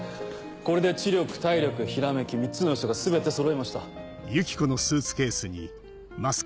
これで知力体力ひらめき３つの要素が全てそろいました。